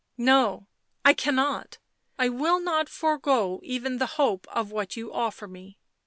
" No — I cannot — I will not forego even the hope of what you offer me."